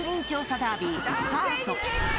ダービー、スタート。